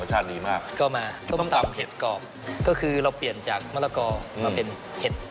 ดีมากก็มาส้มตำเห็ดกรอบก็คือเราเปลี่ยนจากมะละกอมาเป็นเห็ด